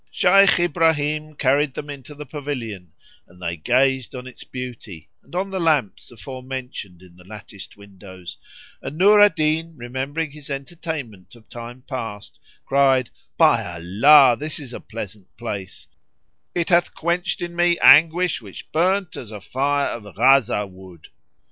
Shaykh Ibrahim carried them up into the pavilion, and they gazed on its beauty, and on the lamps aforementioned in the latticed windows; and Nur al Din, remembering his entertainments of time past, cried, "By Allah, this is a pleasant place; it hath quenched in me anguish which burned as a fire of Ghaza wood.